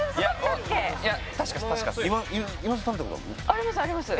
ありますあります